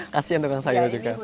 kasian tukang sayur juga